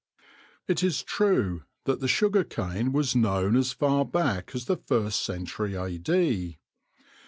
It is true that the sugar cane was known as far back as the first century a.d.